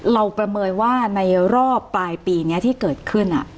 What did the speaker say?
ประเมินว่าในรอบปลายปีนี้ที่เกิดขึ้น